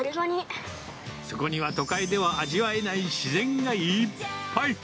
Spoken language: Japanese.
そこには都会では味わえない自然がいっぱい。